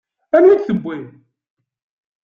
Anwa i d-tewwi?